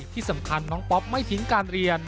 ที่สำคัญน้องป๊อปไม่ทิ้งการเรียน